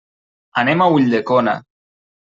Anem a Ulldecona.